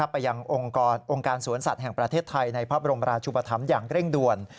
ไปยังองค์การสวนสัตว์แห่งประเทศไทยในพระบรมราชุปธรรมอย่างเร่งด่วน